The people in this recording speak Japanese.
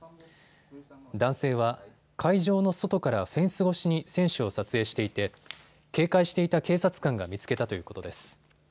男性は、会場の外からフェンス越しに選手を撮影していて警戒していた警察官が見つけたということです。